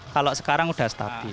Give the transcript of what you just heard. kalau sekarang sudah stabil